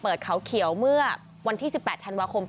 เขาเขียวเมื่อวันที่๑๘ธันวาคม